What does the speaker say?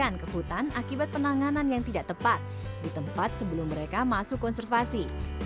yang ke hutan akibat penanganan yang tidak tepat di tempat sebelum mereka masuk konservasi